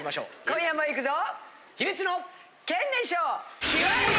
今夜もいくぞ！